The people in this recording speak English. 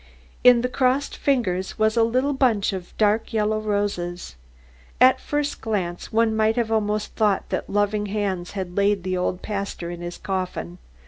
In the crossed fingers was a little bunch of dark yellow roses. At the first glance one might almost have thought that loving hands had laid the old pastor in his coffin.